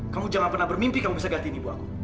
kamu jangan pernah bermimpi kamu bisa gantiin ibu aku